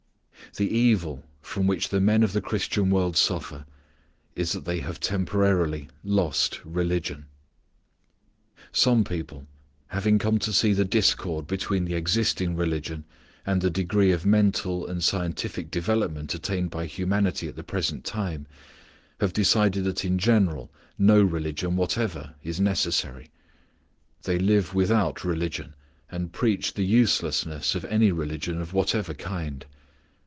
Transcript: The evil from which the men of the Christian world suffer is that they have temporarily lost religion. Some people, having come to see the discord between the existing religion and the degree of mental and scientific development attained by humanity at the present time, have decided that in general no religion whatever is necessary. They live without religion and preach the uselessness of any religion of whatever kind.